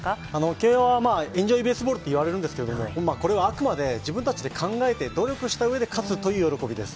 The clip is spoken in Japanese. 慶応はエンジョイベースボールと言われるんですけど、あくまで自分たちで考えて努力した上で勝つという喜びです。